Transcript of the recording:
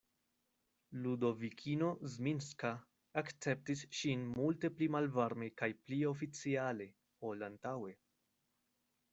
Ludovikino Zminska akceptis ŝin multe pli malvarme kaj pli oficiale, ol antaŭe.